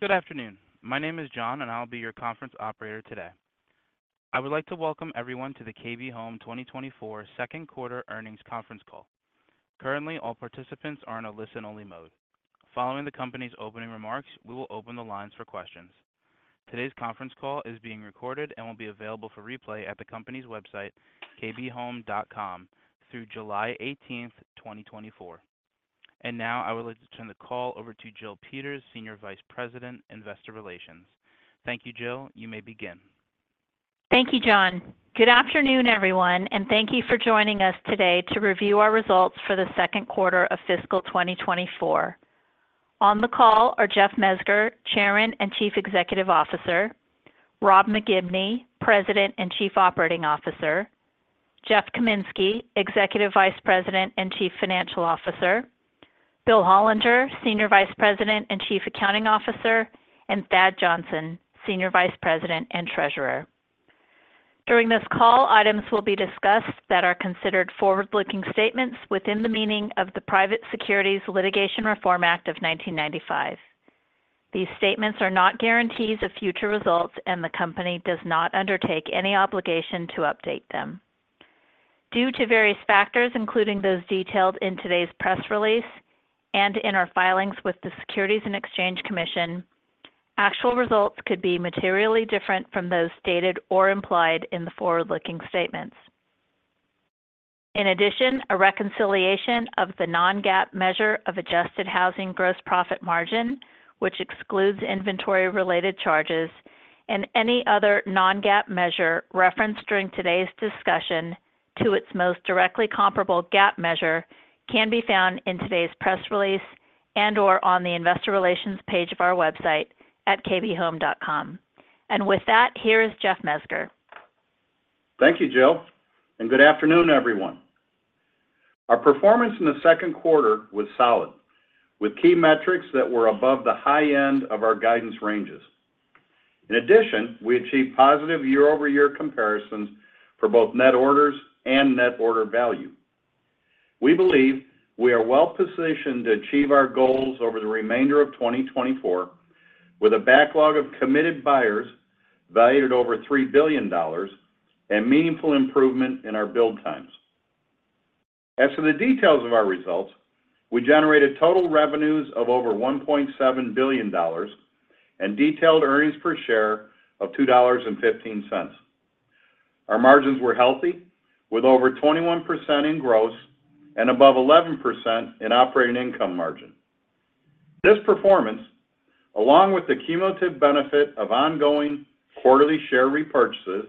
Good afternoon. My name is John, and I'll be your conference operator today. I would like to welcome everyone to the KB Home 2024 Q2 earnings conference call. Currently, all participants are in a listen-only mode. Following the company's opening remarks, we will open the lines for questions. Today's conference call is being recorded and will be available for replay at the company's website, kbhome.com, through July 18th, 2024. And now I would like to turn the call over to Jill Peters, Senior Vice President, Investor Relations. Thank you, Jill. You may begin. Thank you, John. Good afternoon, everyone, and thank you for joining us today to review our results for the Q2 of fiscal 2024. On the call are Jeff Mezger, Chairman and Chief Executive Officer; Rob McGibney, President and Chief Operating Officer; Jeff Kaminski, Executive Vice President and Chief Financial Officer; Bill Hollinger, Senior Vice President and Chief Accounting Officer; and Thad Johnson, Senior Vice President and Treasurer. During this call, items will be discussed that are considered forward-looking statements within the meaning of the Private Securities Litigation Reform Act of 1995. These statements are not guarantees of future results, and the company does not undertake any obligation to update them. Due to various factors, including those detailed in today's press release and in our filings with the Securities and Exchange Commission, actual results could be materially different from those stated or implied in the forward-looking statements. In addition, a reconciliation of the non-GAAP measure of Adjusted housing gross profit margin, which excludes inventory-related charges, and any other non-GAAP measure referenced during today's discussion to its most directly comparable GAAP measure can be found in today's press release and/or on the Investor Relations page of our website at kbhome.com. With that, here is Jeff Mezger. Thank you, Jill, and good afternoon, everyone. Our performance in the second quarter was solid, with key metrics that were above the high end of our guidance ranges. In addition, we achieved positive year-over-year comparisons for both net orders and net order value. We believe we are well positioned to achieve our goals over the remainder of 2024, with a backlog of committed buyers valued at over $3 billion and meaningful improvement in our build times. As for the details of our results, we generated total revenues of over $1.7 billion and diluted earnings per share of $2.15. Our margins were healthy, with over 21% in gross and above 11% in operating income margin. This performance, along with the cumulative benefit of ongoing quarterly share repurchases,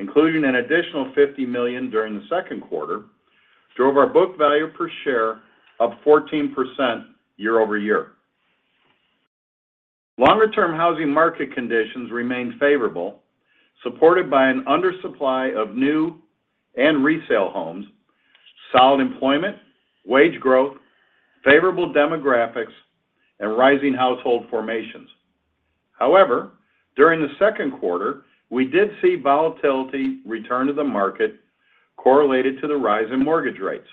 including an additional $50 million during the second quarter, drove our book value per share up 14% year-over-year. Longer-term housing market conditions remained favorable, supported by an undersupply of new and resale homes, solid employment, wage growth, favorable demographics, and rising household formations. However, during the second quarter, we did see volatility return to the market correlated to the rise in mortgage rates.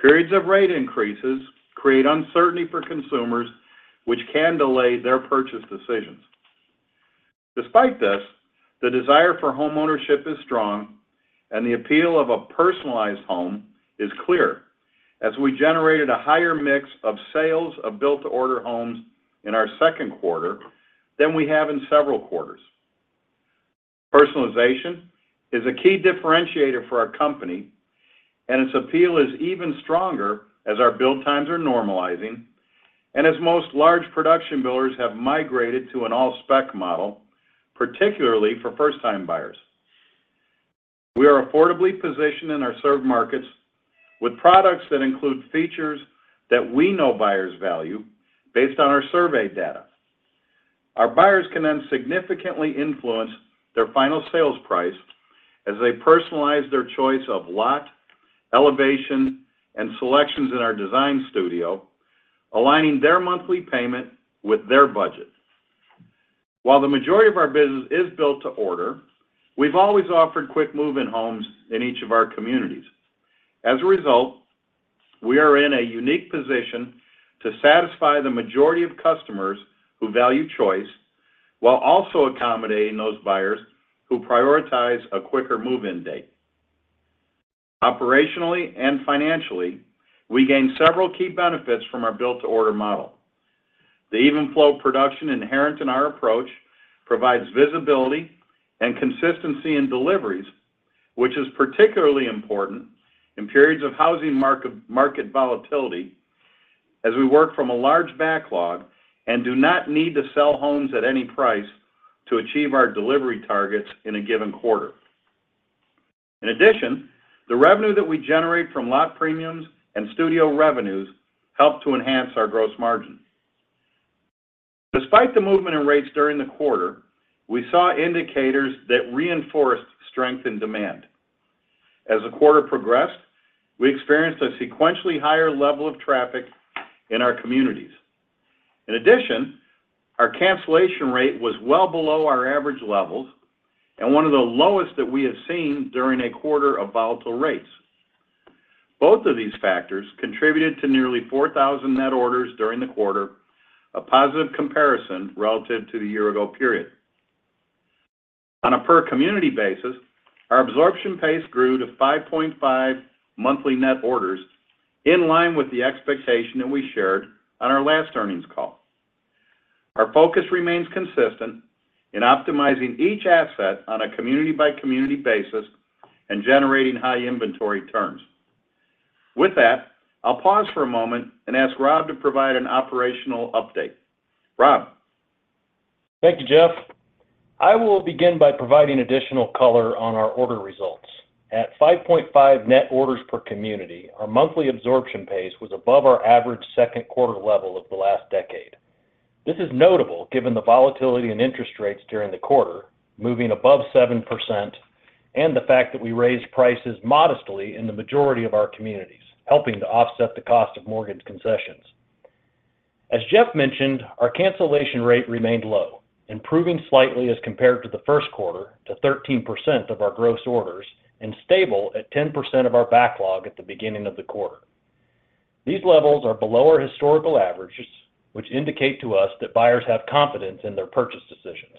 Periods of rate increases create uncertainty for consumers, which can delay their purchase decisions. Despite this, the desire for homeownership is strong, and the appeal of a personalized home is clear, as we generated a higher mix of sales of Built-to-Order homes in our Q2 than we have in several quarters. Personalization is a key differentiator for our company, and its appeal is even stronger as our build times are normalizing and as most large production builders have migrated to an all-spec model, particularly for first-time buyers. We are affordably positioned in our served markets with products that include features that we know buyers value based on our survey data. Our buyers can then significantly influence their final sales price as they personalize their choice of lot, elevation, and selections in our Design Studio, aligning their monthly payment with their budget. While the majority of our business is Built-to-Order, we've always offered Quick Move-In homes in each of our communities. As a result, we are in a unique position to satisfy the majority of customers who value choice while also accommodating those buyers who prioritize a quicker move-in date. Operationally and financially, we gain several key benefits from our Built-to-Order model. The even flow of production inherent in our approach provides visibility and consistency in deliveries, which is particularly important in periods of housing market volatility as we work from a large backlog and do not need to sell homes at any price to achieve our delivery targets in a given quarter. In addition, the revenue that we generate from lot premiums and studio revenues helped to enhance our gross margin. Despite the movement in rates during the quarter, we saw indicators that reinforced strength in demand. As the quarter progressed, we experienced a sequentially higher level of traffic in our communities. In addition, our cancellation rate was well below our average levels and one of the lowest that we have seen during a quarter of volatile rates. Both of these factors contributed to nearly 4,000 net orders during the quarter, a positive comparison relative to the year-ago period. On a per-community basis, our absorption pace grew to 5.5 monthly net orders, in line with the expectation that we shared on our last earnings call. Our focus remains consistent in optimizing each asset on a community-by-community basis and generating high inventory turns. With that, I'll pause for a moment and ask Rob to provide an operational update. Rob. Thank you, Jeff. I will begin by providing additional color on our order results. At 5.5 net orders per community, our monthly absorption pace was above our average second quarter level of the last decade. This is notable given the volatility in interest rates during the quarter, moving above 7%, and the fact that we raised prices modestly in the majority of our communities, helping to offset the cost of mortgage concessions. As Jeff mentioned, our cancellation rate remained low, improving slightly as compared to the Q1 to 13% of our gross orders and stable at 10% of our backlog at the beginning of the quarter. These levels are below our historical averages, which indicate to us that buyers have confidence in their purchase decisions.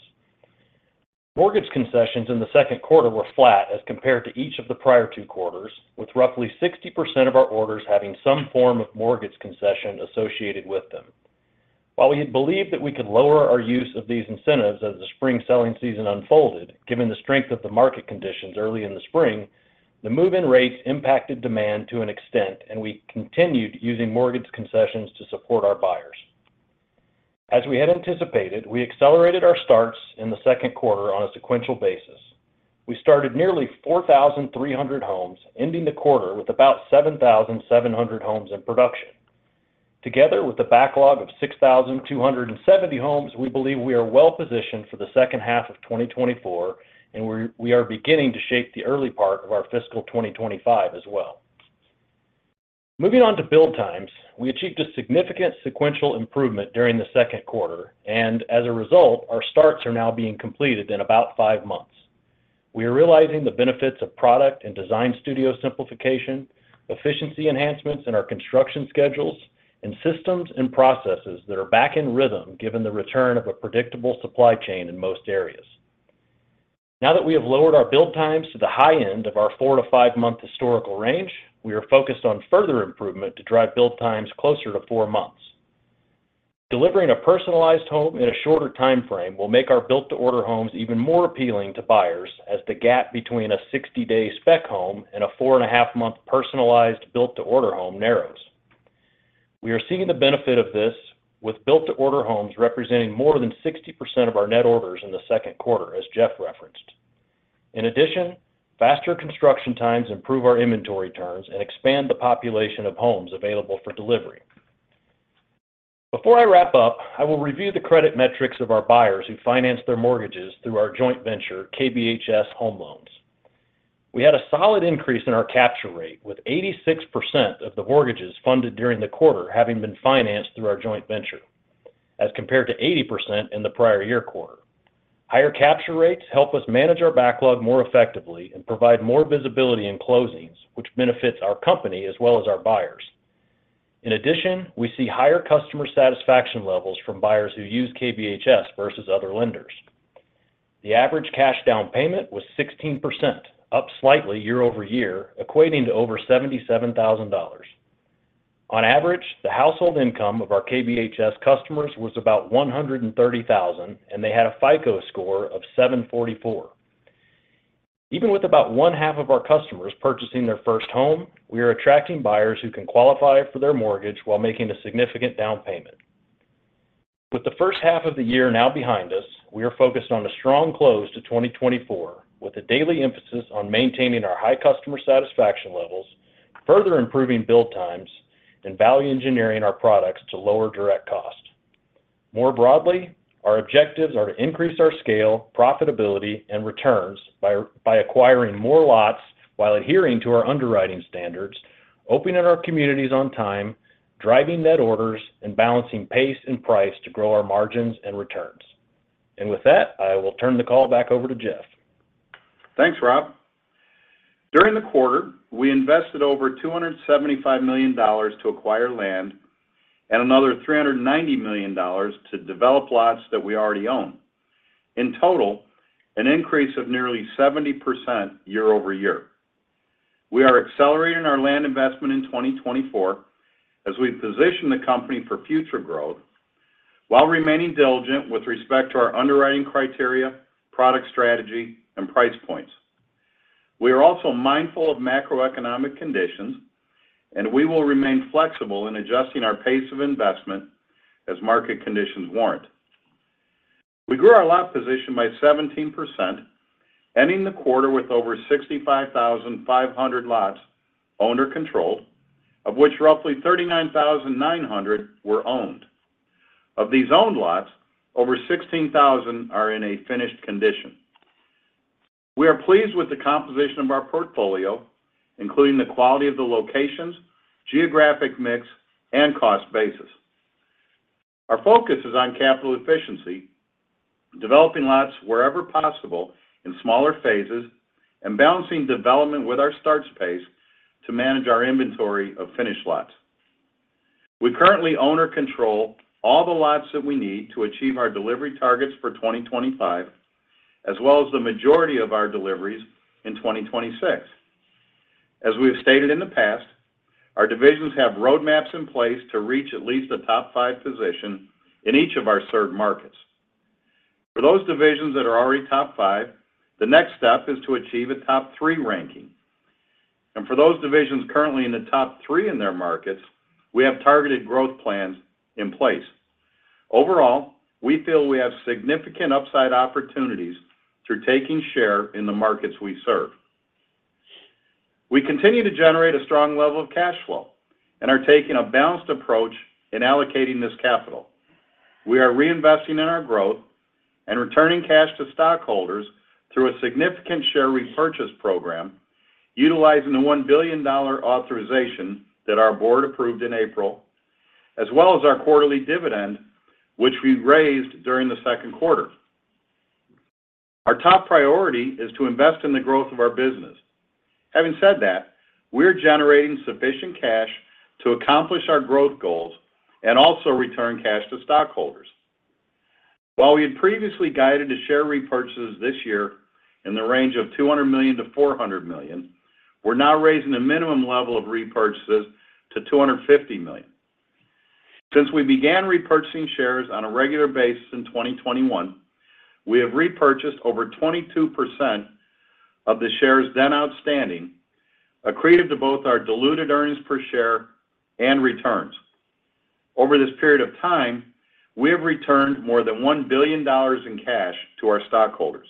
Mortgage concessions in the Q2 were flat as compared to each of the prior two quarters, with roughly 60% of our orders having some form of mortgage concession associated with them. While we had believed that we could lower our use of these incentives as the spring selling season unfolded, given the strength of the market conditions early in the spring, the move-in rates impacted demand to an extent, and we continued using mortgage concessions to support our buyers. As we had anticipated, we accelerated our starts in the Q2 on a sequential basis. We started nearly 4,300 homes, ending the quarter with about 7,700 homes in production. Together with the backlog of 6,270 homes, we believe we are well positioned for the second half of 2024, and we are beginning to shape the early part of our fiscal 2025 as well. Moving on to build times, we achieved a significant sequential improvement during the second quarter, and as a result, our starts are now being completed in about 5 months. We are realizing the benefits of product and Design Studio simplification, efficiency enhancements in our construction schedules, and systems and processes that are back in rhythm given the return of a predictable supply chain in most areas. Now that we have lowered our build times to the high end of our four month to five month historical range, we are focused on further improvement to drive build times closer to four months. Delivering a personalized home in a shorter timeframe will make our Built-to-Order homes even more appealing to buyers as the gap between a 60-day spec home and a 4.5-month personalized Built-to-Order home narrows. We are seeing the benefit of this, with Built-to-Order homes representing more than 60% of our net orders in the second quarter, as Jeff referenced. In addition, faster construction times improve our inventory turns and expand the population of homes available for delivery. Before I wrap up, I will review the credit metrics of our buyers who financed their mortgages through our joint venture, KBHS Home Loans. We had a solid increase in our capture rate, with 86% of the mortgages funded during the quarter having been financed through our joint venture, as compared to 80% in the prior year quarter. Higher capture rates help us manage our backlog more effectively and provide more visibility in closings, which benefits our company as well as our buyers. In addition, we see higher customer satisfaction levels from buyers who use KBHS versus other lenders. The average cash down payment was 16%, up slightly year-over-year, equating to over $77,000. On average, the household income of our KBHS customers was about $130,000, and they had a FICO score of 744. Even with about one-half of our customers purchasing their first home, we are attracting buyers who can qualify for their mortgage while making a significant down payment. With the first half of the year now behind us, we are focused on a strong close to 2024, with a daily emphasis on maintaining our high customer satisfaction levels, further improving build times, and value engineering our products to lower direct cost. More broadly, our objectives are to increase our scale, profitability, and returns by acquiring more lots while adhering to our underwriting standards, opening our communities on time, driving net orders, and balancing pace and price to grow our margins and returns. With that, I will turn the call back over to Jeff. Thanks, Rob. During the quarter, we invested over $275 million to acquire land and another $390 million to develop lots that we already own. In total, an increase of nearly 70% year-over-year. We are accelerating our land investment in 2024 as we position the company for future growth while remaining diligent with respect to our underwriting criteria, product strategy, and price points. We are also mindful of macroeconomic conditions, and we will remain flexible in adjusting our pace of investment as market conditions warrant. We grew our lot position by 17%, ending the quarter with over 65,500 lots owned or controlled, of which roughly 39,900 were owned. Of these owned lots, over 16,000 are in a finished condition. We are pleased with the composition of our portfolio, including the quality of the locations, geographic mix, and cost basis. Our focus is on capital efficiency, developing lots wherever possible in smaller phases and balancing development with our starts pace to manage our inventory of finished lots. We currently own or control all the lots that we need to achieve our delivery targets for 2025, as well as the majority of our deliveries in 2026. As we have stated in the past, our divisions have roadmaps in place to reach at least the top five position in each of our served markets. For those divisions that are already top five, the next step is to achieve a top three ranking. For those divisions currently in the top three in their markets, we have targeted growth plans in place. Overall, we feel we have significant upside opportunities through taking share in the markets we serve. We continue to generate a strong level of cash flow and are taking a balanced approach in allocating this capital. We are reinvesting in our growth and returning cash to stockholders through a significant share repurchase program, utilizing the $1 billion authorization that our board approved in April, as well as our quarterly dividend, which we raised during the second quarter. Our top priority is to invest in the growth of our business. Having said that, we are generating sufficient cash to accomplish our growth goals and also return cash to stockholders. While we had previously guided to share repurchases this year in the range of $200 million-$400 million, we're now raising the minimum level of repurchases to $250 million. Since we began repurchasing shares on a regular basis in 2021, we have repurchased over 22% of the shares then outstanding, accretive to both our diluted earnings per share and returns. Over this period of time, we have returned more than $1 billion in cash to our stockholders.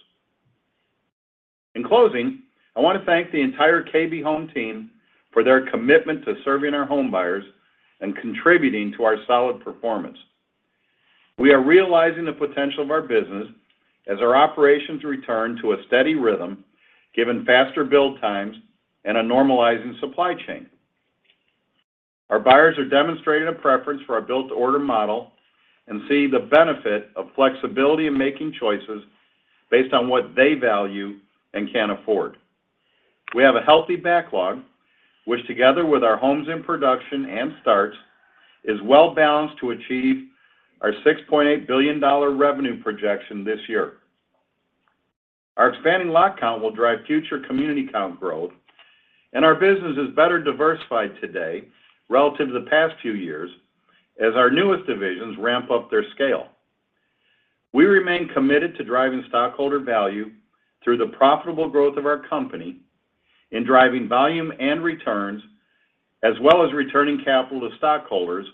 In closing, I want to thank the entire KB Home team for their commitment to serving our homebuyers and contributing to our solid performance. We are realizing the potential of our business as our operations return to a steady rhythm, given faster build times and a normalizing supply chain. Our buyers are demonstrating a preference for our built-to-order model and see the benefit of flexibility in making choices based on what they value and can afford. We have a healthy backlog, which together with our homes in production and starts is well balanced to achieve our $6.8 billion revenue projection this year. Our expanding lot count will drive future community count growth, and our business is better diversified today relative to the past few years as our newest divisions ramp up their scale. We remain committed to driving stockholder value through the profitable growth of our company in driving volume and returns, as well as returning capital to stockholders,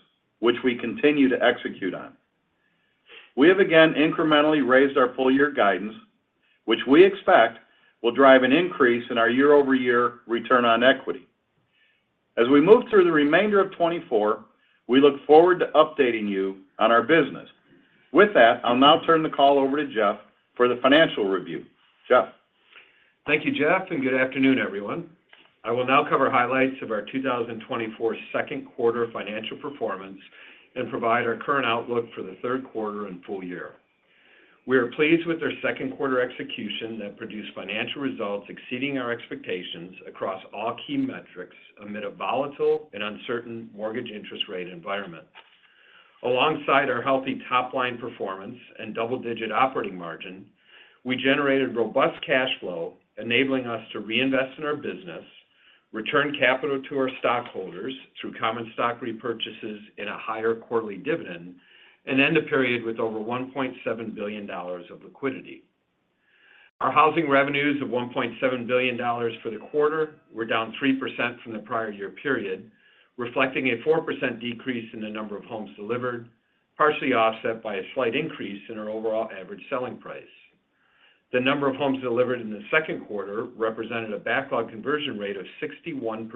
which we continue to execute on. We have again incrementally raised our full-year guidance, which we expect will drive an increase in our year-over-year return on equity. As we move through the remainder of 2024, we look forward to updating you on our business. With that, I'll now turn the call over to Jeff for the financial review. Jeff. Thank you, Jeff, and good afternoon, everyone. I will now cover highlights of our 2024 Q2 financial performance and provide our current outlook for the Q3 and full year. We are pleased with our Q2 execution that produced financial results exceeding our expectations across all key metrics amid a volatile and uncertain mortgage interest rate environment. Alongside our healthy top-line performance and double-digit operating margin, we generated robust cash flow, enabling us to reinvest in our business, return capital to our stockholders through common stock repurchases and a higher quarterly dividend, and end the period with over $1.7 billion of liquidity. Our housing revenues of $1.7 billion for the quarter were down 3% from the prior year period, reflecting a 4% decrease in the number of homes delivered, partially offset by a slight increase in our overall average selling price. The number of homes delivered in the Q2 represented a backlog conversion rate of 61%,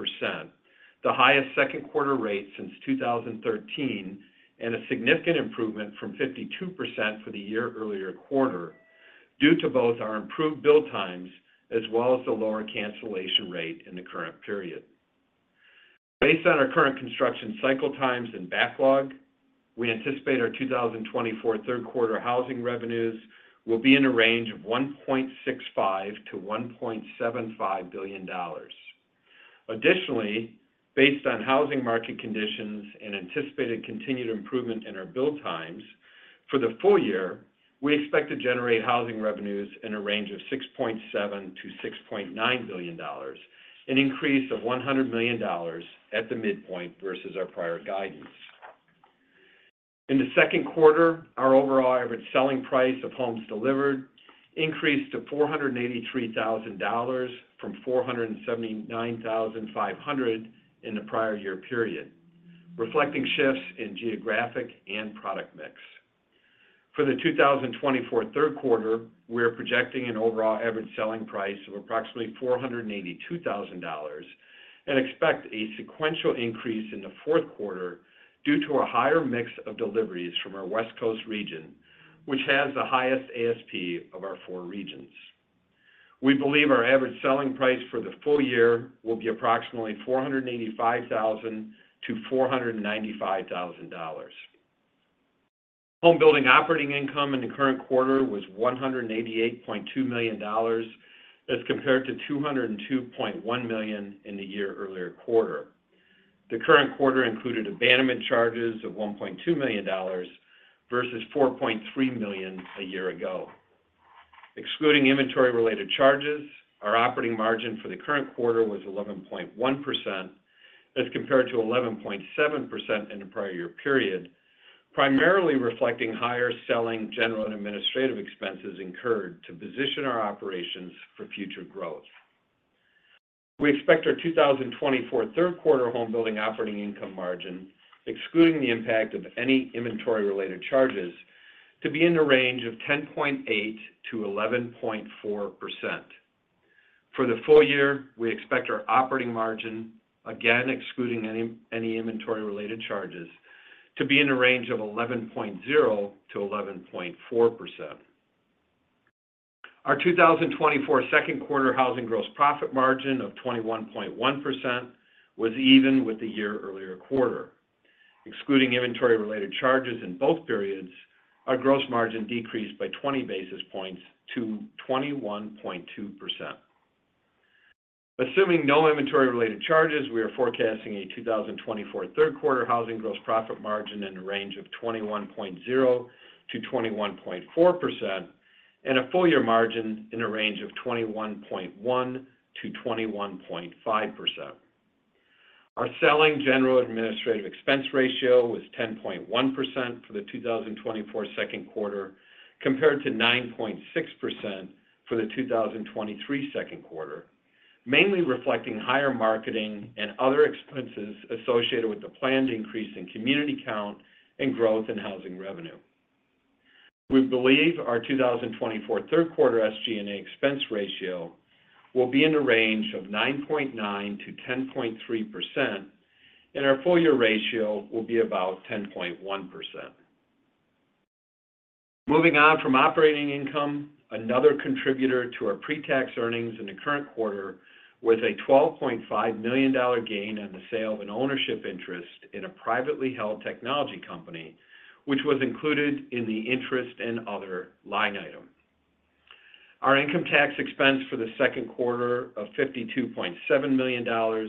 the highest Q2 rate since 2013, and a significant improvement from 52% for the year earlier quarter due to both our improved build times as well as the lower cancellation rate in the current period. Based on our current construction cycle times and backlog, we anticipate our 2024 third quarter housing revenues will be in a range of $1.65-$1.75 billion. Additionally, based on housing market conditions and anticipated continued improvement in our build times for the full year, we expect to generate housing revenues in a range of $6.7 billion-$6.9 billion, an increase of $100 million at the midpoint versus our prior guidance. In the Q2, our overall average selling price of homes delivered increased to $483,000 from $479,500 in the prior year period, reflecting shifts in geographic and product mix. For the 2024 Q3, we are projecting an overall average selling price of approximately $482,000 and expect a sequential increase in the fourth quarter due to a higher mix of deliveries from our West Coast region, which has the highest ASP of our four regions. We believe our average selling price for the full year will be approximately $485,000-$495,000. Home building operating income in the current quarter was $188.2 million as compared to $202.1 million in the year earlier quarter. The current quarter included abandonment charges of $1.2 million versus $4.3 million a year ago. Excluding inventory-related charges, our operating margin for the current quarter was 11.1% as compared to 11.7% in the prior year period, primarily reflecting higher selling, general, and administrative expenses incurred to position our operations for future growth. We expect our 2024 Q3 home building operating income margin, excluding the impact of any inventory-related charges, to be in the range of 10.8%-11.4%. For the full year, we expect our operating margin, again excluding any inventory-related charges, to be in the range of 11.0%-11.4%. Our 2024 Q2 housing gross profit margin of 21.1% was even with the year earlier quarter. Excluding inventory-related charges in both periods, our gross margin decreased by 20 basis points to 21.2%. Assuming no inventory-related charges, we are forecasting a 2024 Q3 housing gross profit margin in the range of 21.0%-21.4% and a full-year margin in the range of 21.1%-21.5%. Ourselling, general, and administrative expense ratio was 10.1% for the 2024 Q2 compared to 9.6% for the 2023 Q2, mainly reflecting higher marketing and other expenses associated with the planned increase in community count and growth in housing revenue. We believe our 2024 Q3 SG&A expense ratio will be in the range of 9.9%-10.3%, and our full-year ratio will be about 10.1%. Moving on from operating income, another contributor to our pre-tax earnings in the current quarter was a $12.5 million gain on the sale of an ownership interest in a privately held technology company, which was included in the interest and other line item. Our income tax expense for the Q2 of $52.7 million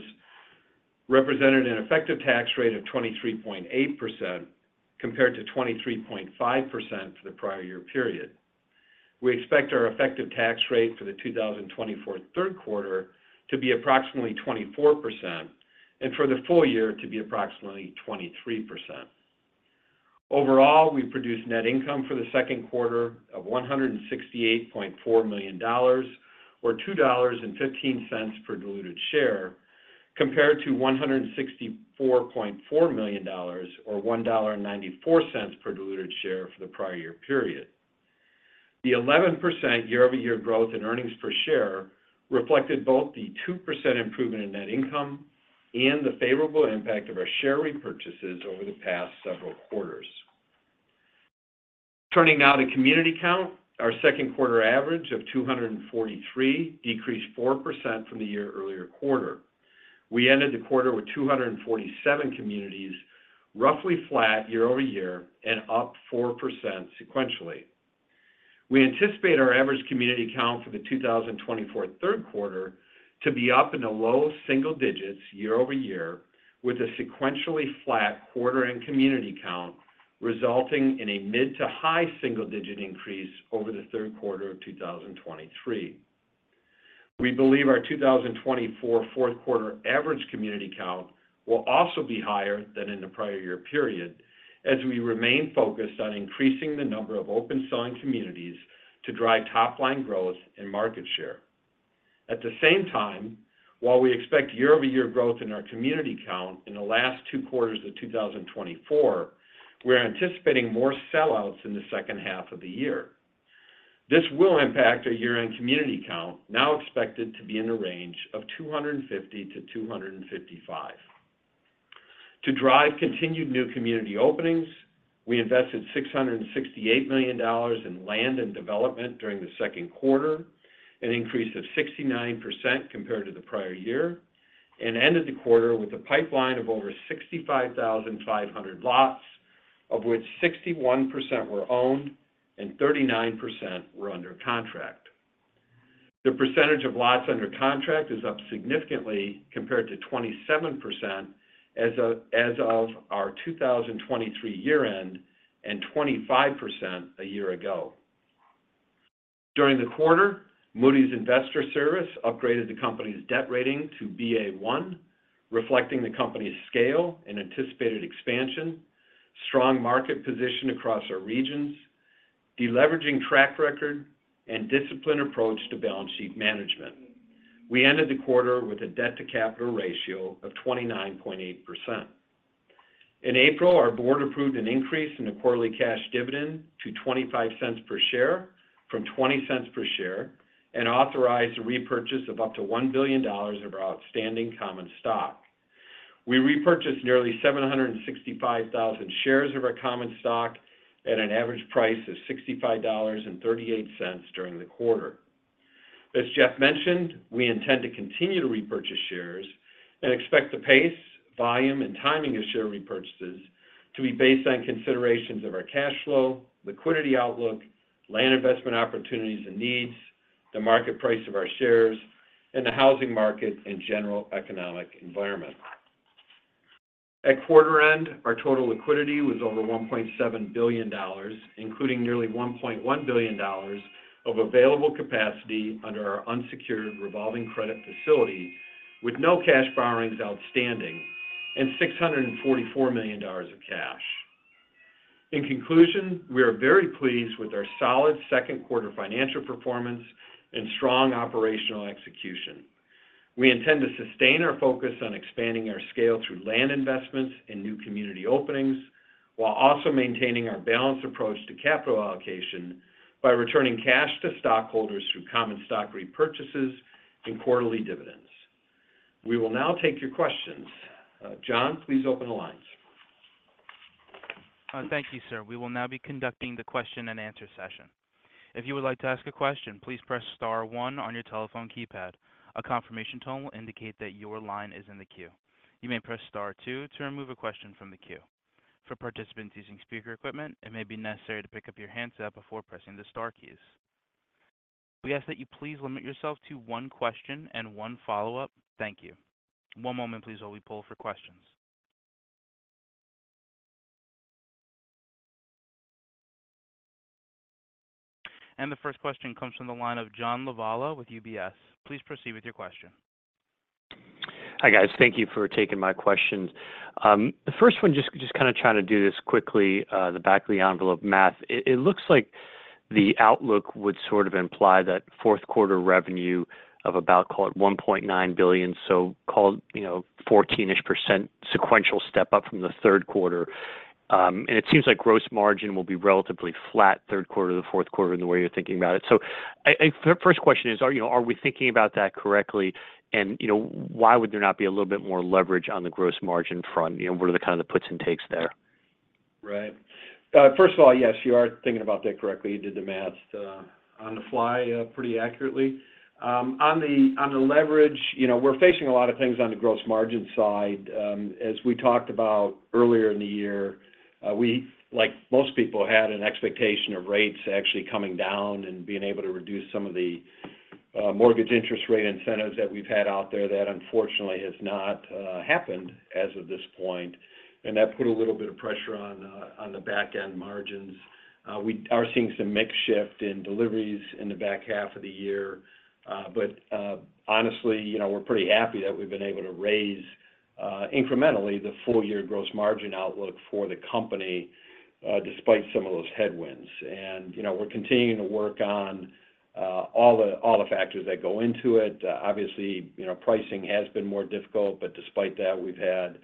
represented an effective tax rate of 23.8% compared to 23.5% for the prior year period. We expect our effective tax rate for the 2024 third quarter to be approximately 24% and for the full year to be approximately 23%. Overall, we produced net income for the second quarter of $168.4 million, or $2.15 per diluted share, compared to $164.4 million, or $1.94 per diluted share for the prior year period. The 11% year-over-year growth in earnings per share reflected both the 2% improvement in net income and the favorable impact of our share repurchases over the past several quarters. Turning now to community count, our second quarter average of 243 decreased 4% from the year-earlier quarter. We ended the quarter with 247 communities, roughly flat year-over-year and up 4% sequentially. We anticipate our average community count for the 2024 Q3 to be up in the low single digits year-over-year, with a sequentially flat quarter and community count resulting in a mid to high single-digit increase over the third quarter of 2023. We believe our 2024 Q4 average community count will also be higher than in the prior year period as we remain focused on increasing the number of open-selling communities to drive top-line growth and market share. At the same time, while we expect year-over-year growth in our community count in the last two quarters of 2024, we are anticipating more sellouts in the second half of the year. This will impact our year-end community count, now expected to be in the range of 250-255. To drive continued new community openings, we invested $668 million in land and development during the Q2 an increase of 69% compared to the prior year, and ended the quarter with a pipeline of over 65,500 lots, of which 61% were owned and 39% were under contract. The percentage of lots under contract is up significantly compared to 27% as of our 2023 year-end and 25% a year ago. During the quarter, Moody's Investors Service upgraded the company's debt rating to Ba1, reflecting the company's scale and anticipated expansion, strong market position across our regions, deleveraging track record, and disciplined approach to balance sheet management. We ended the quarter with a debt-to-capital ratio of 29.8%. In April, our board approved an increase in the quarterly cash dividend to $0.25 per share from $0.20 per share and authorized a repurchase of up to $1 billion of our outstanding common stock. We repurchased nearly 765,000 shares of our common stock at an average price of $65.38 during the quarter. As Jeff mentioned, we intend to continue to repurchase shares and expect the pace, volume, and timing of share repurchases to be based on considerations of our cash flow, liquidity outlook, land investment opportunities and needs, the market price of our shares, and the housing market and general economic environment. At quarter end, our total liquidity was over $1.7 billion, including nearly $1.1 billion of available capacity under our unsecured revolving credit facility, with no cash borrowings outstanding, and $644 million of cash. In conclusion, we are very pleased with our solid second quarter financial performance and strong operational execution. We intend to sustain our focus on expanding our scale through land investments and new community openings while also maintaining our balanced approach to capital allocation by returning cash to stockholders through common stock repurchases and quarterly dividends. We will now take your questions. John, please open the lines. Thank you, sir. We will now be conducting the question-and-answer session. If you would like to ask a question, please press Star one on your telephone keypad. A confirmation tone will indicate that your line is in the queue. You may press Star two to remove a question from the queue. For participants using speaker equipment, it may be necessary to pick up your handset before pressing the Star keys. We ask that you please limit yourself to one question and one follow-up. Thank you. One moment, please, while we pull for questions. The first question comes from the line of John Lovallo with UBS. Please proceed with your question. Hi, guys. Thank you for taking my questions. The first one, just kind of trying to do this quickly, the back-of-the-envelope math, it looks like the outlook would sort of imply that Q4 revenue of about, call it, $1.9 billion, so call it 14%-ish sequential step-up from the third quarter. And it seems like gross margin will be relatively flat third quarter to the Q4 in the way you're thinking about it. So first question is, are we thinking about that correctly? And why would there not be a little bit more leverage on the gross margin front? What are kind of the puts and takes there? Right. First of all, yes, you are thinking about that correctly. You did the math on the fly pretty accurately. On the leverage, we're facing a lot of things on the gross margin side. As we talked about earlier in the year, like most people had an expectation of rates actually coming down and being able to reduce some of the mortgage interest rate incentives that we've had out there. That, unfortunately, has not happened as of this point. And that put a little bit of pressure on the back-end margins. We are seeing some mixed shift in deliveries in the back half of the year. But honestly, we're pretty happy that we've been able to raise incrementally the full-year gross margin outlook for the company despite some of those headwinds. We're continuing to work on all the factors that go into it. Obviously, pricing has been more difficult, but despite that, we've had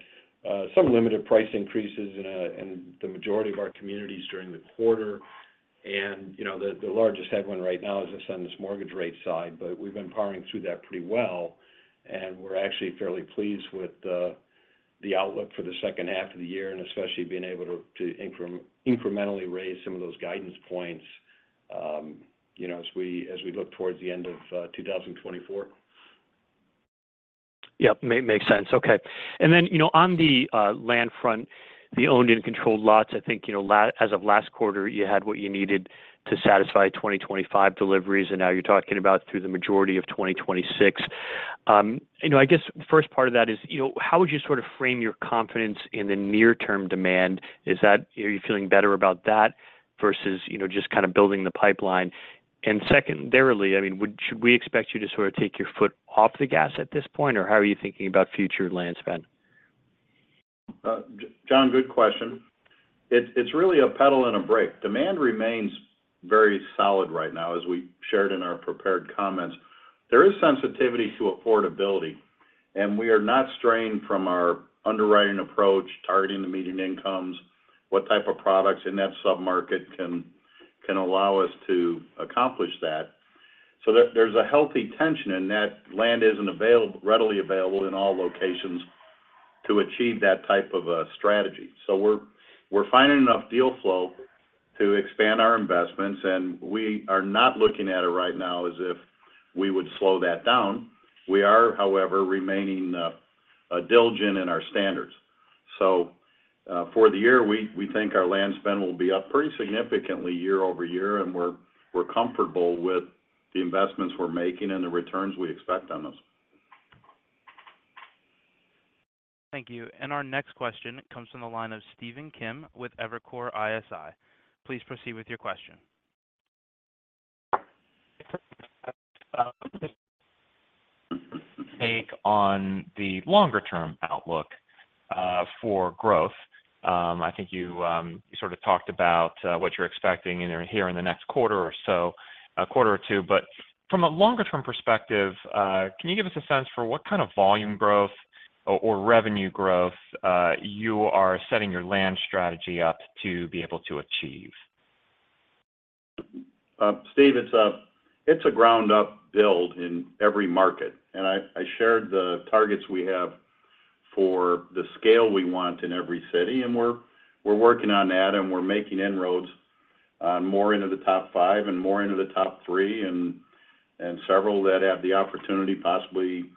some limited price increases in the majority of our communities during the quarter. The largest headwind right now is on this mortgage rate side, but we've been powering through that pretty well. We're actually fairly pleased with the outlook for the second half of the year and especially being able to incrementally raise some of those guidance points as we look towards the end of 2024. Yep. Makes sense. Okay. And then on the land front, the owned and controlled lots, I think as of last quarter, you had what you needed to satisfy 2025 deliveries, and now you're talking about through the majority of 2026. I guess the first part of that is, how would you sort of frame your confidence in the near-term demand? Are you feeling better about that versus just kind of building the pipeline? And secondarily, I mean, should we expect you to sort of take your foot off the gas at this point, or how are you thinking about future land spend? John, good question. It's really a pedal and a brake. Demand remains very solid right now, as we shared in our prepared comments. There is sensitivity to affordability, and we are not straying from our underwriting approach, targeting the median incomes, what type of products in that sub-market can allow us to accomplish that. So there's a healthy tension in that land isn't readily available in all locations to achieve that type of strategy. So we're finding enough deal flow to expand our investments, and we are not looking at it right now as if we would slow that down. We are, however, remaining diligent in our standards. So for the year, we think our land spend will be up pretty significantly year-over-year, and we're comfortable with the investments we're making and the returns we expect on those. Thank you. Our next question comes from the line of Stephen Kim with Evercore ISI. Please proceed with your question. Take on the longer-term outlook for growth? I think you sort of talked about what you're expecting here in the next quarter or so, quarter or two. But from a longer-term perspective, can you give us a sense for what kind of volume growth or revenue growth you are setting your land strategy up to be able to achieve? Steve, it's a ground-up build in every market. And I shared the targets we have for the scale we want in every city, and we're working on that, and we're making inroads more into the top five and more into the top three and several that have the opportunity possibly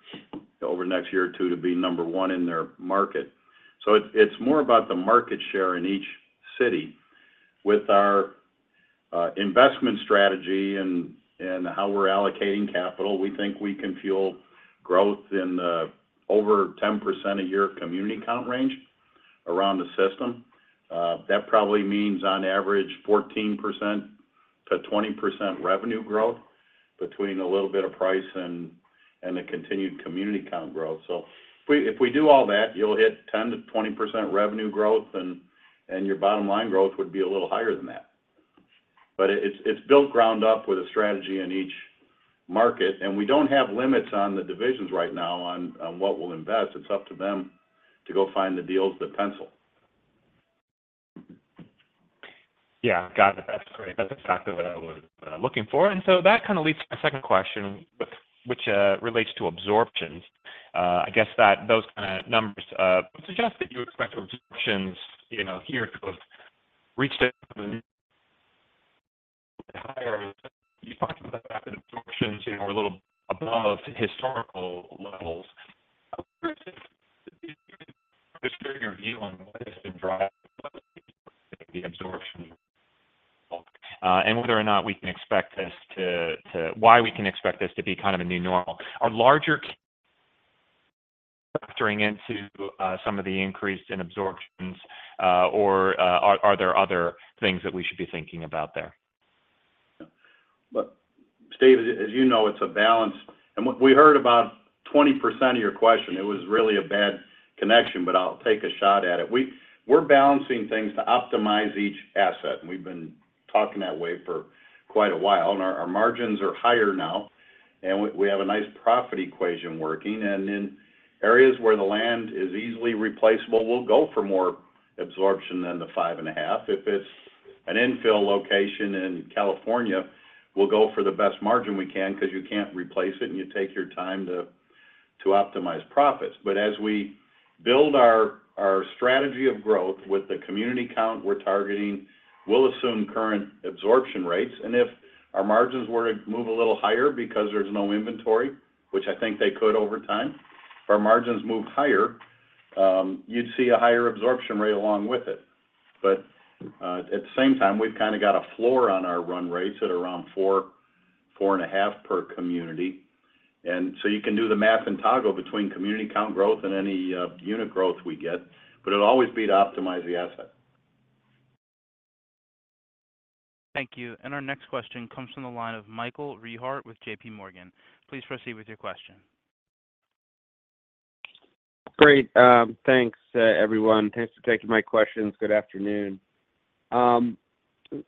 over the next year or two to be number one in their market. So it's more about the market share in each city. With our investment strategy and how we're allocating capital, we think we can fuel growth in the over 10% a year community count range around the system. That probably means on average 14%-20% revenue growth between a little bit of price and the continued community count growth. So if we do all that, you'll hit 10%-20% revenue growth, and your bottom line growth would be a little higher than that. But it's built ground-up with a strategy in each market, and we don't have limits on the divisions right now on what we'll invest. It's up to them to go find the deals that pencil. Yeah. Got it. That's great. That's exactly what I was looking for. And so that kind of leads to my second question, which relates to absorption. I guess that those kind of numbers suggest that you expect absorption here to have reached a higher, you talked about that absorption was a little above historical levels. What is your view on what has been driving the absorption and whether or not we can expect this to, why we can expect this to be kind of a new normal? Are larger factors factoring into some of the increase in absorption, or are there other things that we should be thinking about there? Well, Steve, as you know, it's a balance. We heard about 20% of your question. It was really a bad connection, but I'll take a shot at it. We're balancing things to optimize each asset, and we've been talking that way for quite a while. Our margins are higher now, and we have a nice profit equation working. In areas where the land is easily replaceable, we'll go for more absorption than the 5.5. If it's an infill location in California, we'll go for the best margin we can because you can't replace it, and you take your time to optimize profits. But as we build our strategy of growth with the community count we're targeting, we'll assume current absorption rates. If our margins were to move a little higher because there's no inventory, which I think they could over time, if our margins move higher, you'd see a higher absorption rate along with it. But at the same time, we've kind of got a floor on our run rates at around four and four and half per community. So you can do the math and toggle between community count growth and any unit growth we get, but it'll always be to optimize the asset. Thank you. And our next question comes from the line of Michael Rehaut with J.P. Morgan. Please proceed with your question. Great. Thanks, everyone. Thanks for taking my questions. Good afternoon. I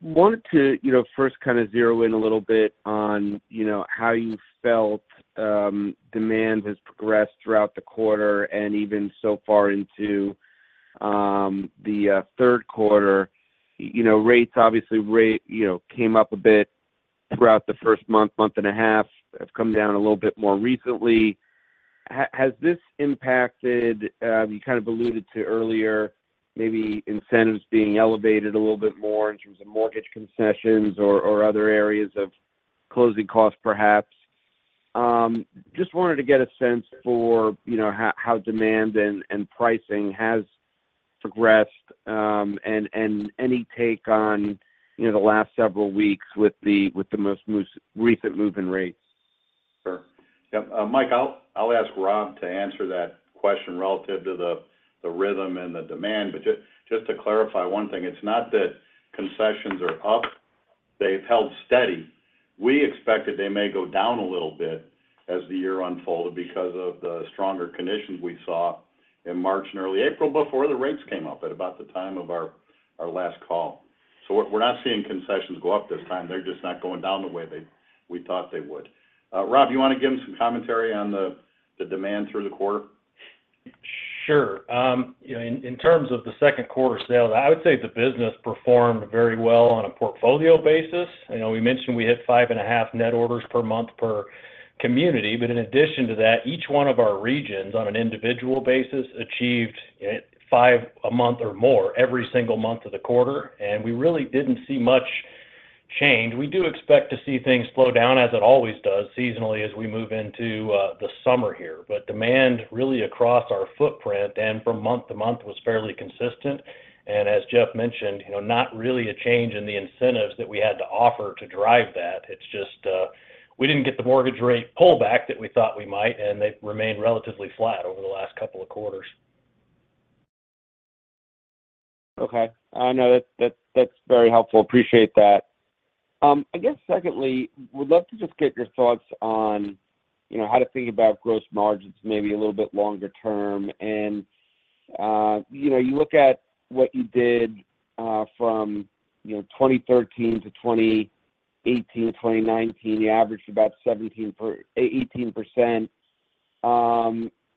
wanted to first kind of zero in a little bit on how you felt demand has progressed throughout the quarter and even so far into the third quarter. Rates, obviously, came up a bit throughout the first month, month and a half, have come down a little bit more recently. Has this impacted you kind of alluded to earlier, maybe incentives being elevated a little bit more in terms of mortgage concessions or other areas of closing costs, perhaps? Just wanted to get a sense for how demand and pricing has progressed and any take on the last several weeks with the most recent mortgage rates? Sure. Yep. Mike, I'll ask Rob to answer that question relative to the rhythm and the demand. But just to clarify one thing, it's not that concessions are up. They've held steady. We expected they may go down a little bit as the year unfolded because of the stronger conditions we saw in March and early April before the rates came up at about the time of our last call. So we're not seeing concessions go up this time. They're just not going down the way we thought they would. Rob, you want to give them some commentary on the demand through the quarter? Sure. In terms of the second quarter sales, I would say the business performed very well on a portfolio basis. We mentioned we hit five and half net orders per month per community. But in addition to that, each one of our regions on an individual basis achieved 5 a month or more every single month of the quarter. We really didn't see much change. We do expect to see things slow down as it always does seasonally as we move into the summer here. But demand really across our footprint and from month to month was fairly consistent. As Jeff mentioned, not really a change in the incentives that we had to offer to drive that. It's just we didn't get the mortgage rate pullback that we thought we might, and they've remained relatively flat over the last couple of quarters. Okay. No, that's very helpful. Appreciate that. I guess secondly, we'd love to just get your thoughts on how to think about gross margins maybe a little bit longer term. You look at what you did from 2013 to 2018 to 2019, you averaged about 18%.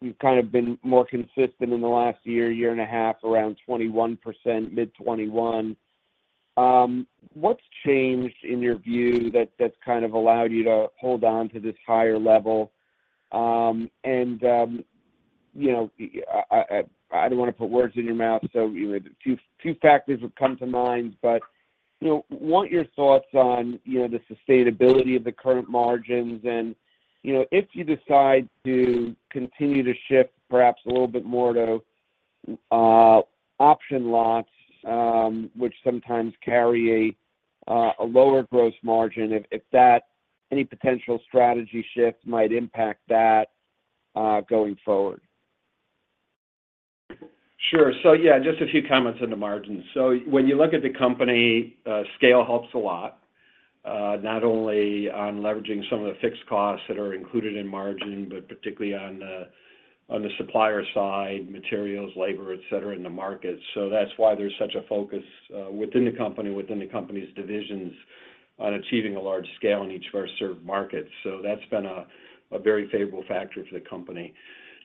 You've kind of been more consistent in the last year, year and a half, around 21%, mid-21%. What's changed in your view that's kind of allowed you to hold on to this higher level? I don't want to put words in your mouth, so a few factors would come to mind, but want your thoughts on the sustainability of the current margins. If you decide to continue to shift perhaps a little bit more to option lots, which sometimes carry a lower gross margin, if that, any potential strategy shift might impact that going forward? Sure. So yeah, just a few comments on the margins. So when you look at the company, scale helps a lot, not only on leveraging some of the fixed costs that are included in margin, but particularly on the supplier side, materials, labor, etc., in the markets. So that's why there's such a focus within the company, within the company's divisions on achieving a large scale in each of our served markets. So that's been a very favorable factor for the company.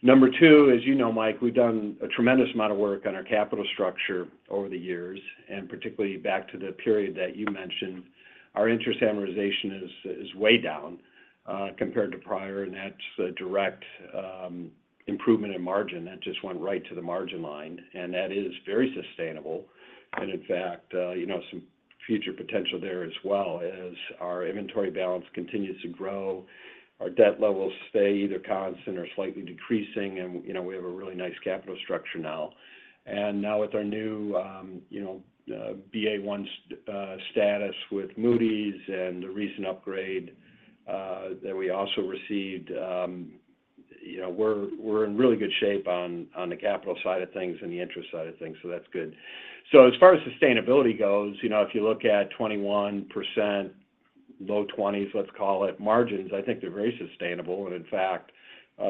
Number two, as you know, Mike, we've done a tremendous amount of work on our capital structure over the years, and particularly back to the period that you mentioned, our interest amortization is way down compared to prior, and that's a direct improvement in margin. That just went right to the margin line, and that is very sustainable. In fact, some future potential there as well as our inventory balance continues to grow. Our debt levels stay either constant or slightly decreasing, and we have a really nice capital structure now. And now with our new Ba1 status with Moody's and the recent upgrade that we also received, we're in really good shape on the capital side of things and the interest side of things, so that's good. So as far as sustainability goes, if you look at 21%, low 20s, let's call it, margins, I think they're very sustainable. In fact,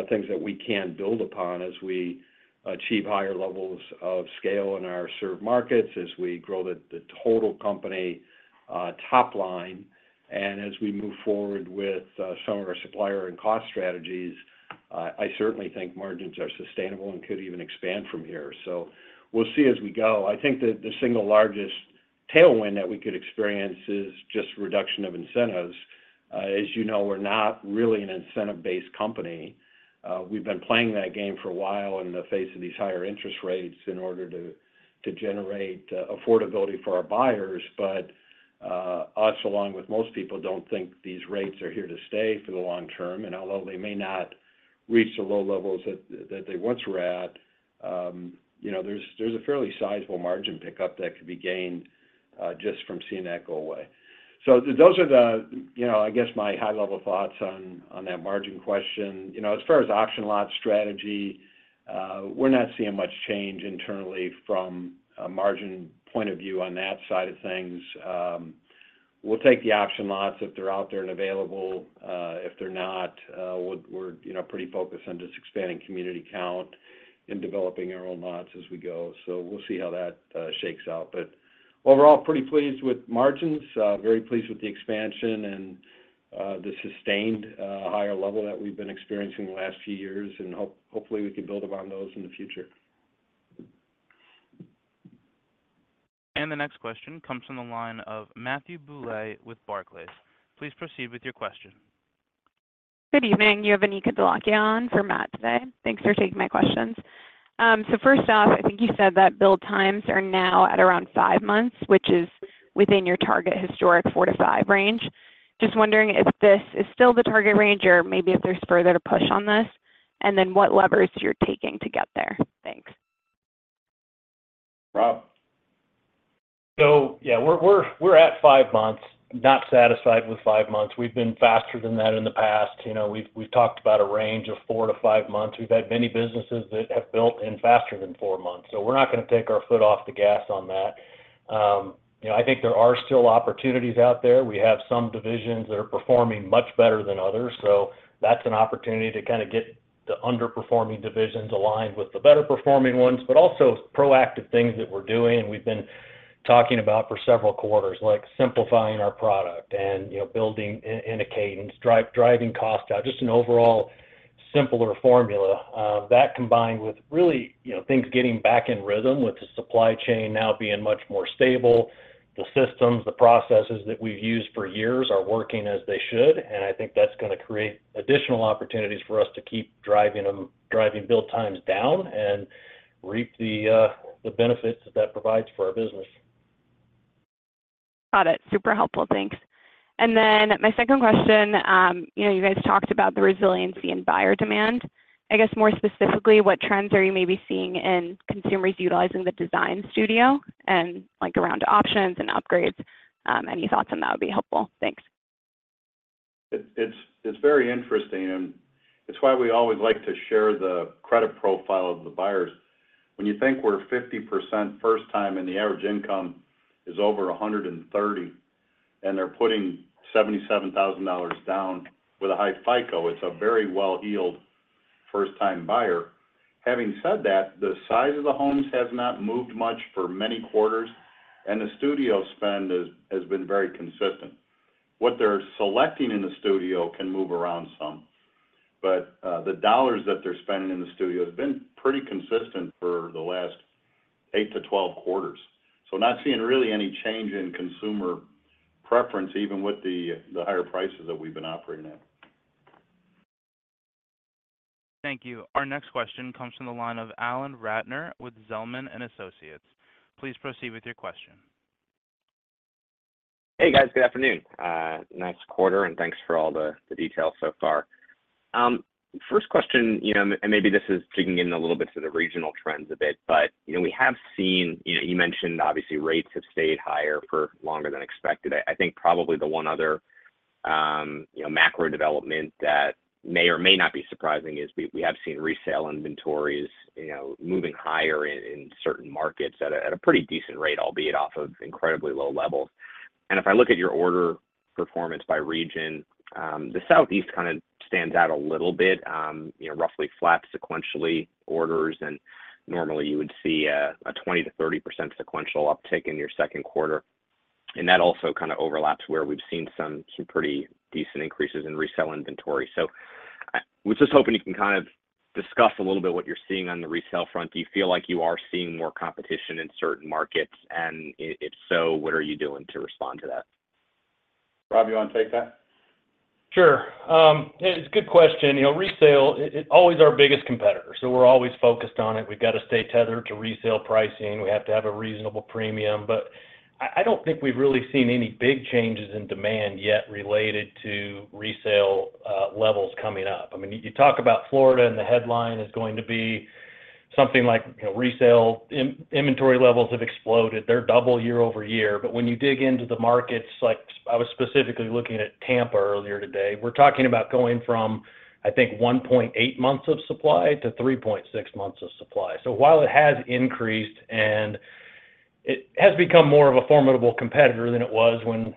things that we can build upon as we achieve higher levels of scale in our served markets as we grow the total company top line. And as we move forward with some of our supplier and cost strategies, I certainly think margins are sustainable and could even expand from here. So we'll see as we go. I think that the single largest tailwind that we could experience is just reduction of incentives. As you know, we're not really an incentive-based company. We've been playing that game for a while in the face of these higher interest rates in order to generate affordability for our buyers. But us, along with most people, don't think these rates are here to stay for the long term. And although they may not reach the low levels that they once were at, there's a fairly sizable margin pickup that could be gained just from seeing that go away. So those are the, I guess, my high-level thoughts on that margin question. As far as option lot strategy, we're not seeing much change internally from a margin point of view on that side of things. We'll take the option lots if they're out there and available. If they're not, we're pretty focused on just expanding community count and developing our own lots as we go. We'll see how that shakes out. Overall, pretty pleased with margins, very pleased with the expansion and the sustained higher level that we've been experiencing the last few years. Hopefully, we can build upon those in the future. The next question comes from the line of Matthew Bouley with Barclays. Please proceed with your question. Good evening. Good to talk to you guys on for Matt today? Thanks for taking my questions. So first off, I think you said that build times are now at around five months, which is within your target historic four to five range. Just wondering if this is still the target range or maybe if there's further to push on this, and then what levers you're taking to get there. Thanks. Rob? So yeah, we're at fivemonths, not satisfied with five months. We've been faster than that in the past. We've talked about a range of four to five months. We've had many businesses that have built in faster than four months. So we're not going to take our foot off the gas on that. I think there are still opportunities out there. We have some divisions that are performing much better than others. So that's an opportunity to kind of get the underperforming divisions aligned with the better performing ones, but also proactive things that we're doing. And we've been talking about for several quarters, like simplifying our product and building in a cadence, driving costs out, just an overall simpler formula. That combined with really things getting back in rhythm with the supply chain now being much more stable. The systems, the processes that we've used for years are working as they should. I think that's going to create additional opportunities for us to keep driving build times down and reap the benefits that that provides for our business. Got it. Super helpful. Thanks. And then my second question, you guys talked about the resiliency and buyer demand. I guess more specifically, what trends are you maybe seeing in consumers utilizing the design studio and around options and upgrades? Any thoughts on that would be helpful. Thanks. It's very interesting, and it's why we always like to share the credit profile of the buyers. When you think we're 50% first time and the average income is over 130, and they're putting $77,000 down with a high FICO, it's a very well-heeled first-time buyer. Having said that, the size of the homes has not moved much for many quarters, and the studio spend has been very consistent. What they're selecting in the studio can move around some. But the dollars that they're spending in the studio has been pretty consistent for the last eight to 12 quarters. So not seeing really any change in consumer preference, even with the higher prices that we've been operating at. Thank you. Our next question comes from the line of Alan Ratner with Zelman & Associates. Please proceed with your question. Hey, guys. Good afternoon. Nice quarter, and thanks for all the details so far. First question, and maybe this is digging in a little bit to the regional trends a bit, but we have seen you mentioned, obviously, rates have stayed higher for longer than expected. I think probably the one other macro development that may or may not be surprising is we have seen resale inventories moving higher in certain markets at a pretty decent rate, albeit off of incredibly low levels. If I look at your order performance by region, the Southeast kind of stands out a little bit, roughly flat sequentially orders. Normally, you would see a 20%-30% sequential uptick in your second quarter. That also kind of overlaps where we've seen some pretty decent increases in resale inventory. So we're just hoping you can kind of discuss a little bit what you're seeing on the resale front. Do you feel like you are seeing more competition in certain markets? And if so, what are you doing to respond to that? Rob, you want to take that? Sure. It's a good question. Resale, it's always our biggest competitor. So we're always focused on it. We've got to stay tethered to resale pricing. We have to have a reasonable premium. But I don't think we've really seen any big changes in demand yet related to resale levels coming up. I mean, you talk about Florida, and the headline is going to be something like resale inventory levels have exploded. They're double year-over-year. But when you dig into the markets, I was specifically looking at Tampa earlier today. We're talking about going from, I think, 1.8 months of supply to 3.6 months of supply. So while it has increased and it has become more of a formidable competitor than it was when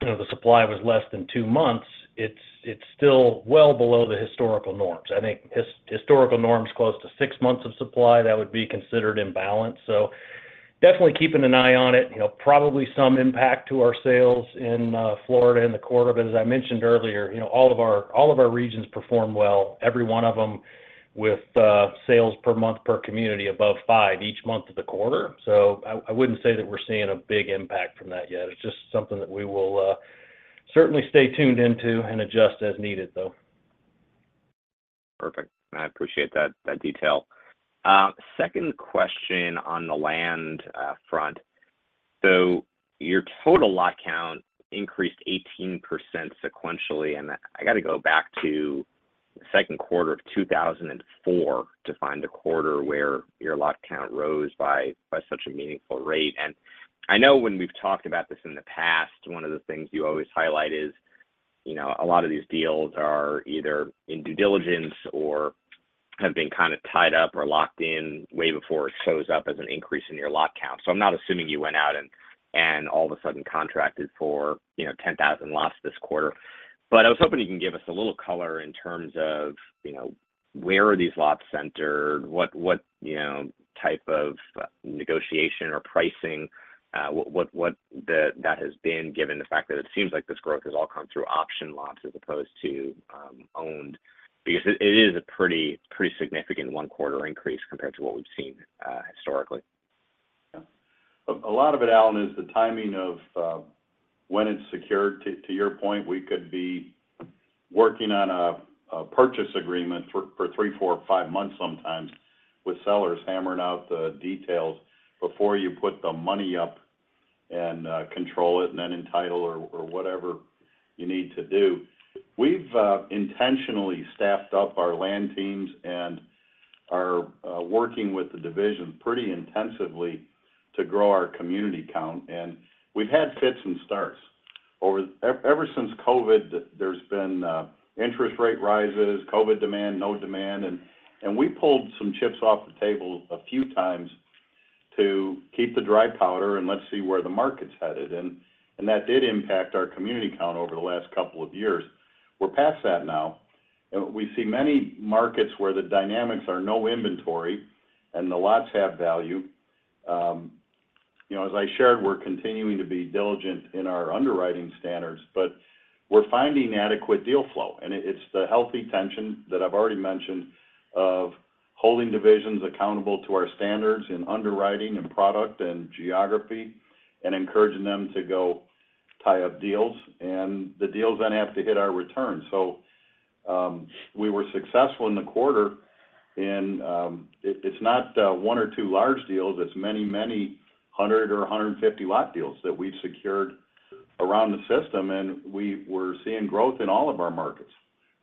the supply was less than two months, it's still well below the historical norms. I think historical norms close to six months of supply, that would be considered imbalanced. So definitely keeping an eye on it, probably some impact to our sales in Florida in the quarter. But as I mentioned earlier, all of our regions perform well, every one of them with sales per month per community above five each month of the quarter. So I wouldn't say that we're seeing a big impact from that yet. It's just something that we will certainly stay tuned into and adjust as needed, though. Perfect. I appreciate that detail. Second question on the land front. So your total lot count increased 18% sequentially. And I got to go back to the Q2 of 2004 to find a quarter where your lot count rose by such a meaningful rate. And I know when we've talked about this in the past, one of the things you always highlight is a lot of these deals are either in due diligence or have been kind of tied up or locked in way before it shows up as an increase in your lot count. So I'm not assuming you went out and all of a sudden contracted for 10,000 lots this quarter. But I was hoping you can give us a little color in terms of where are these lots centered, what type of negotiation or pricing, what that has been, given the fact that it seems like this growth has all come through option lots as opposed to owned. Because it is a pretty significant one-quarter increase compared to what we've seen historically. A lot of it, Alan, is the timing of when it's secured. To your point, we could be working on a purchase agreement for three, four, or five months sometimes with sellers hammering out the details before you put the money up and control it and then entitle or whatever you need to do. We've intentionally staffed up our land teams and are working with the divisions pretty intensively to grow our community count. And we've had fits and starts. Ever since COVID, there's been interest rate rises, COVID demand, no demand. And we pulled some chips off the table a few times to keep the dry powder and let's see where the market's headed. And that did impact our community count over the last couple of years. We're past that now. And we see many markets where the dynamics are no inventory and the lots have value. As I shared, we're continuing to be diligent in our underwriting standards, but we're finding adequate deal flow. It's the healthy tension that I've already mentioned of holding divisions accountable to our standards in underwriting and product and geography and encouraging them to go tie up deals. The deals then have to hit our return. We were successful in the quarter. It's not one or two large deals. It's many, many hundred or 150 lot deals that we've secured around the system. We're seeing growth in all of our markets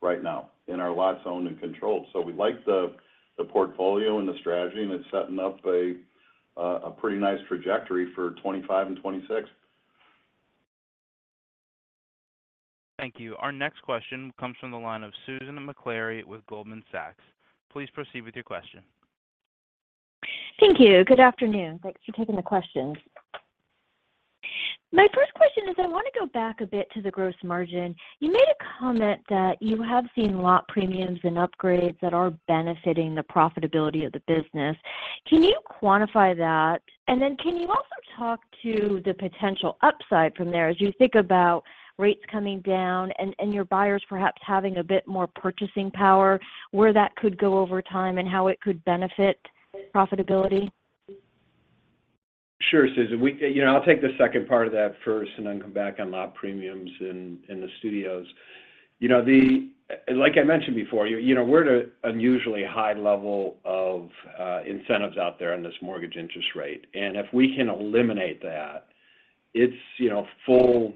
right now in our lots owned and controlled. We like the portfolio and the strategy, and it's setting up a pretty nice trajectory for 2025 and 2026. Thank you. Our next question comes from the line of Susan Maklari with Goldman Sachs. Please proceed with your question. Thank you. Good afternoon. Thanks for taking the questions. My first question is I want to go back a bit to the gross margin. You made a comment that you have seen lot premiums and upgrades that are benefiting the profitability of the business. Can you quantify that? And then can you also talk to the potential upside from there as you think about rates coming down and your buyers perhaps having a bit more purchasing power, where that could go over time and how it could benefit profitability? Sure, Susan. I'll take the second part of that first and then come back on lot premiums and the studios. Like I mentioned before, we're at an unusually high level of incentives out there on this mortgage interest rate. And if we can eliminate that, it's full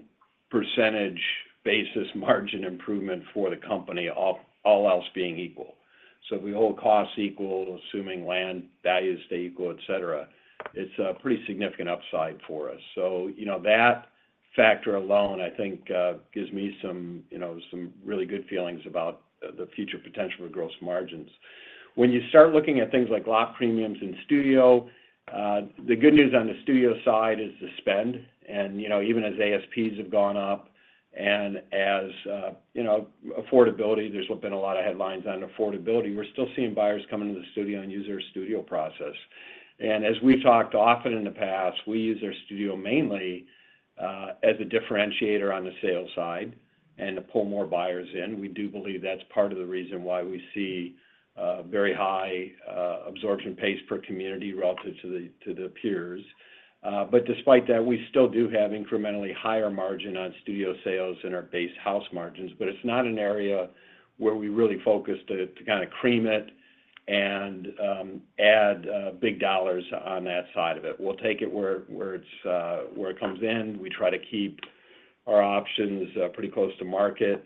percentage basis margin improvement for the company, all else being equal. So if we hold costs equal, assuming land values stay equal, etc., it's a pretty significant upside for us. So that factor alone, I think, gives me some really good feelings about the future potential for gross margins. When you start looking at things like lot premiums and studio, the good news on the studio side is the spend. And even as ASPs have gone up and as affordability, there's been a lot of headlines on affordability. We're still seeing buyers come into the studio and use their studio process. As we've talked often in the past, we use our studio mainly as a differentiator on the sales side and to pull more buyers in. We do believe that's part of the reason why we see very high absorption pace per community relative to the peers. Despite that, we still do have incrementally higher margin on studio sales and our base house margins. It's not an area where we really focus to kind of cream it and add big dollars on that side of it. We'll take it where it comes in. We try to keep our options pretty close to market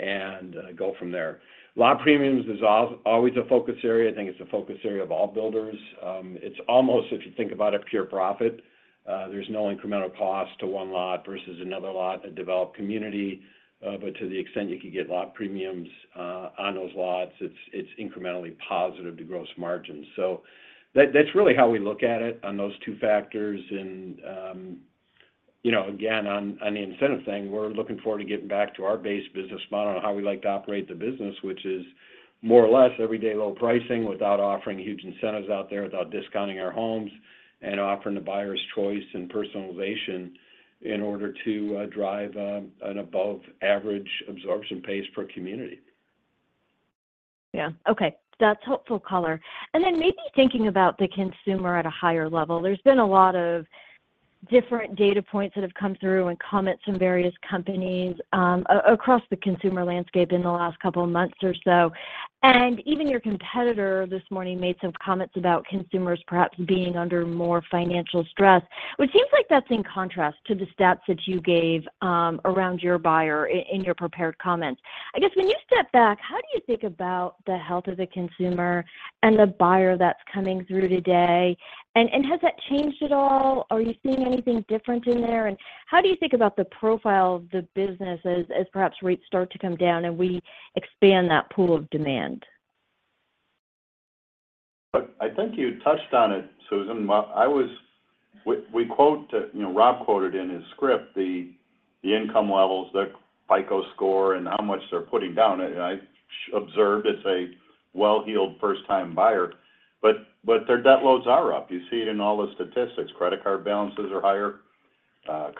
and go from there. Lot premiums is always a focus area. I think it's a focus area of all builders. It's almost, if you think about it, pure profit. There's no incremental cost to one lot versus another lot in a developed community. But to the extent you can get lot premiums on those lots, it's incrementally positive to gross margins. So that's really how we look at it on those two factors. And again, on the incentive thing, we're looking forward to getting back to our base business model and how we like to operate the business, which is more or less everyday low pricing without offering huge incentives out there, without discounting our homes, and offering the buyer's choice and personalization in order to drive an above-average absorption pace per community. Yeah. Okay. That's helpful color. And then maybe thinking about the consumer at a higher level, there's been a lot of different data points that have come through and comments from various companies across the consumer landscape in the last couple of months or so. And even your competitor this morning made some comments about consumers perhaps being under more financial stress, which seems like that's in contrast to the stats that you gave around your buyer in your prepared comments. I guess when you step back, how do you think about the health of the consumer and the buyer that's coming through today? And has that changed at all? Are you seeing anything different in there? And how do you think about the profile of the business as perhaps rates start to come down and we expand that pool of demand? I think you touched on it, Susan. We quote, Rob quoted in his script, the income levels, the FICO score, and how much they're putting down. I observed it's a well-heeled first-time buyer. But their debt loads are up. You see it in all the statistics. Credit card balances are higher.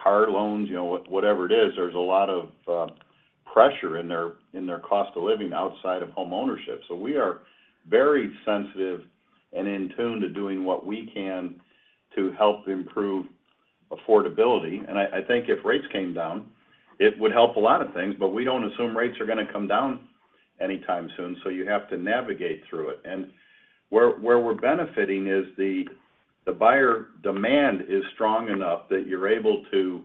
Car loans, whatever it is, there's a lot of pressure in their cost of living outside of home ownership. So we are very sensitive and in tune to doing what we can to help improve affordability. And I think if rates came down, it would help a lot of things, but we don't assume rates are going to come down anytime soon. So you have to navigate through it. And where we're benefiting is the buyer demand is strong enough that you're able to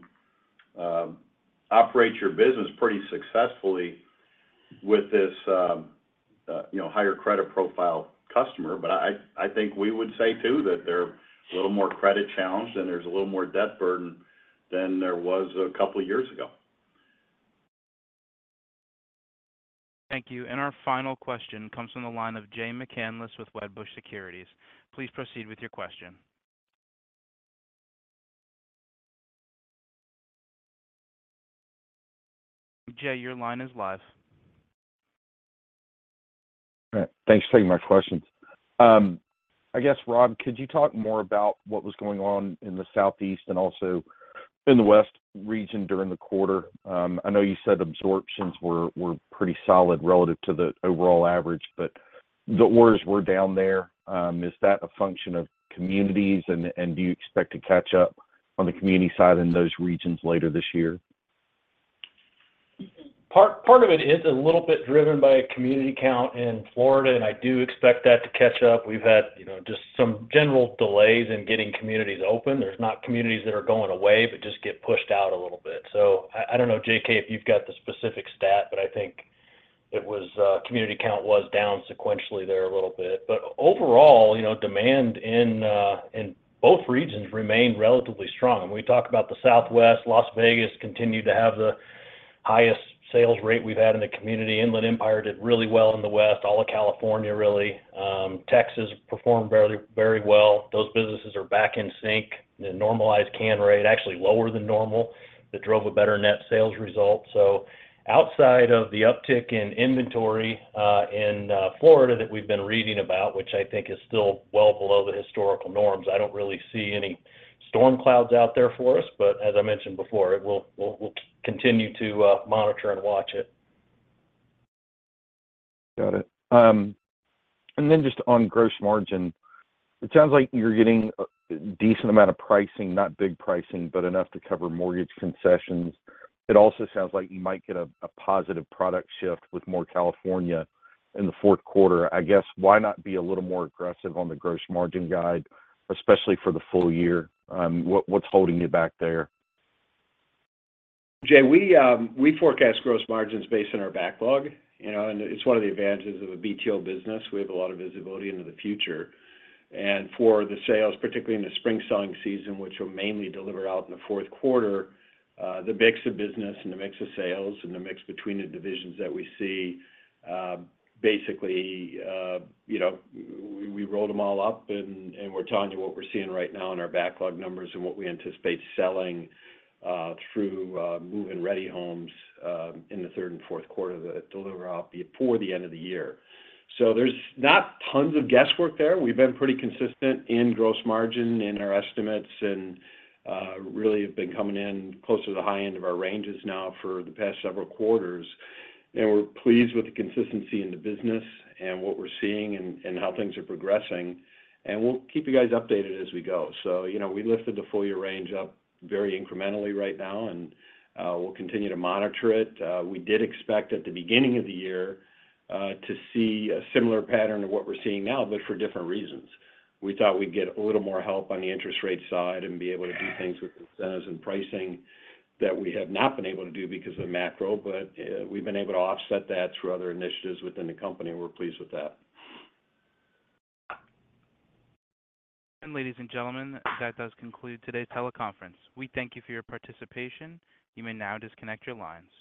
operate your business pretty successfully with this higher credit profile customer. I think we would say too that they're a little more credit challenged and there's a little more debt burden than there was a couple of years ago. Thank you. Our final question comes from the line of Jay McCanless with Wedbush Securities. Please proceed with your question. Jay, your line is live. Thanks for taking my questions. I guess, Rob, could you talk more about what was going on in the Southeast and also in the West region during the quarter? I know you said absorptions were pretty solid relative to the overall average, but the orders were down there. Is that a function of communities? And do you expect to catch up on the community side in those regions later this year? Part of it is a little bit driven by community count in Florida, and I do expect that to catch up. We've had just some general delays in getting communities open. There's not communities that are going away, but just get pushed out a little bit. So I don't know, JK, if you've got the specific stat, but I think community count was down sequentially there a little bit. But overall, demand in both regions remained relatively strong. And we talk about the Southwest. Las Vegas continued to have the highest sales rate we've had in the community. Inland Empire did really well in the West. All of California really. Texas performed very well. Those businesses are back in sync. The normalized cancel rate actually lower than normal. It drove a better net sales result. So outside of the uptick in inventory in Florida that we've been reading about, which I think is still well below the historical norms, I don't really see any storm clouds out there for us. But as I mentioned before, we'll continue to monitor and watch it. Got it. And then just on gross margin, it sounds like you're getting a decent amount of pricing, not big pricing, but enough to cover mortgage concessions. It also sounds like you might get a positive product shift with more California in the fourth quarter. I guess, why not be a little more aggressive on the gross margin guide, especially for the full year? What's holding you back there? Jay, we forecast gross margins based on our backlog. It's one of the advantages of a BTO business. We have a lot of visibility into the future. For the sales, particularly in the spring selling season, which will mainly deliver out in the fourth quarter, the mix of business and the mix of sales and the mix between the divisions that we see, basically, we rolled them all up. We're telling you what we're seeing right now in our backlog numbers and what we anticipate selling through move-in ready homes in the third and fourth quarter that deliver out before the end of the year. So there's not tons of guesswork there. We've been pretty consistent in gross margin in our estimates and really have been coming in close to the high end of our ranges now for the past several quarters. And we're pleased with the consistency in the business and what we're seeing and how things are progressing. And we'll keep you guys updated as we go. So we lifted the full year range up very incrementally right now, and we'll continue to monitor it. We did expect at the beginning of the year to see a similar pattern to what we're seeing now, but for different reasons. We thought we'd get a little more help on the interest rate side and be able to do things with incentives and pricing that we have not been able to do because of the macro. But we've been able to offset that through other initiatives within the company. We're pleased with that. Ladies and gentlemen, that does conclude today's teleconference. We thank you for your participation. You may now disconnect your lines.